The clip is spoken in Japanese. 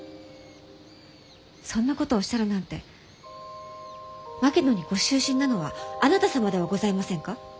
そんなことをおっしゃるなんて槙野にご執心なのはあなた様ではございませんか？